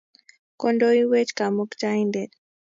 ngondoywech kamuktaindet